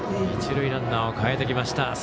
一塁ランナーを代えてきました。